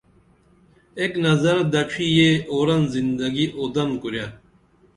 ایک نظر دڇھی یہ اُرن زندگی اُودن کُرے